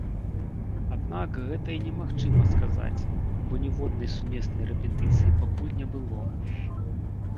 Аднак, гэта і немагчыма сказаць, бо ніводнай сумеснай рэпетыцыі пакуль не было.